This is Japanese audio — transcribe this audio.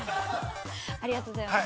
◆ありがとうございます。